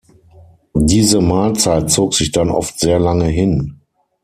Diese Mahlzeit zog sich dann oft sehr lange hin.